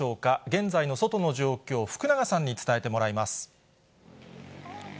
現在の外の状況、福永さんに伝えてもらいます。